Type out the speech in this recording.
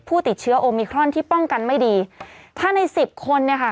ผู้ติดเชื้อโอมิครอนที่ป้องกันไม่ดีถ้าในสิบคนเนี่ยค่ะ